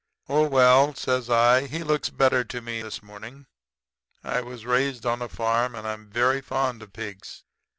"'Oh, well,' says I, 'he looks better to me this morning. I was raised on a farm, and I'm very fond of pigs.